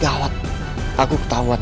galak aku ketauan